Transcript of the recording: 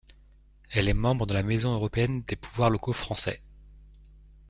Elle est membre de la Maison européenne des pouvoirs locaux français.